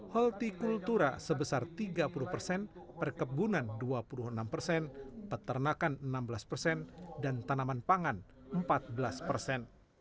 holti kultura sebesar tiga puluh persen perkebunan dua puluh enam persen peternakan enam belas persen dan tanaman pangan empat belas persen